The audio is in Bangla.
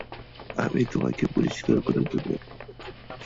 আমি তোমাকে পরিষ্কার করে দেব।